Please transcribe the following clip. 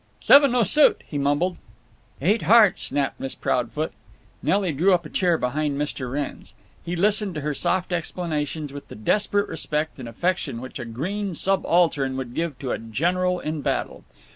"Seven nosut," he mumbled. "Eight hearts," snapped Miss Proudfoot. Nelly drew up a chair behind Mr. Wrenn's. He listened to her soft explanations with the desperate respect and affection which a green subaltern would give to a general in battle.